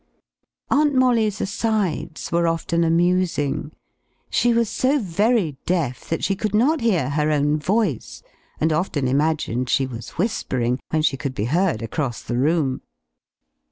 Aunt Molly's asides were often amusing. She was so very deaf that she could not hear her own voice, and often imagined she was whispering, when she could be heard across the room.